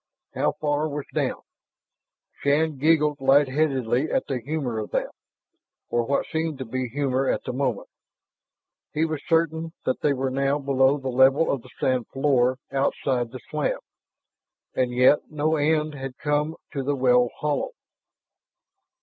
How far was down? Shann giggled lightheadedly at the humor of that, or what seemed to be humor at the moment. He was certain that they were now below the level of the sand floor outside the slab. And yet no end had come to the well hollow.